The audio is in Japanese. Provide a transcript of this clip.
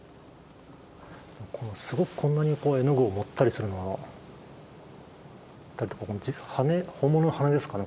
すごくこんなに絵の具を盛ったりするのも羽根本物の羽根ですかね？